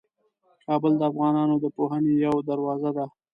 کابل د افغانانو د پوهنې یوه دروازه ده.